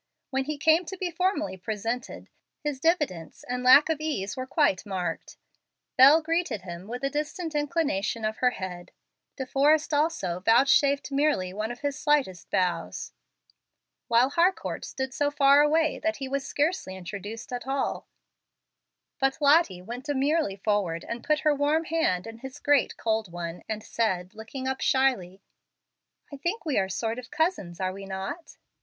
When he came to be formally presented, his diffidence and lack of ease were quite marked. Bel greeted him with a distant inclination of her head, De Forrest also vouchsafed merely one of his slightest bows, while Harcourt stood so far away that he was scarcely introduced at all; but Lottie went demurely forward and put her warm hand in his great cold one, and said, looking up shyly, "I think we are sort of cousins, are we not?"